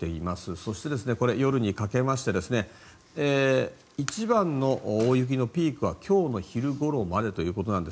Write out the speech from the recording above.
そしてこれ、夜にかけまして一番の大雪のピークは今日の昼ごろまでということです。